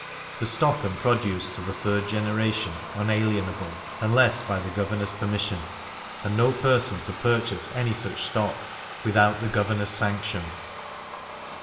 The stock and produce to the third generation unalienable, unless by the governor's permission; and no person to purchase any such stock without the governor's sanction.